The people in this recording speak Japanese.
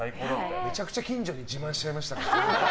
めちゃくちゃ近所に自慢しちゃいましたからね。